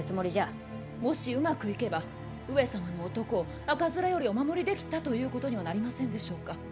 もしうまくいけば上様の男を赤面よりお守りできたということにはなりませんでしょうか。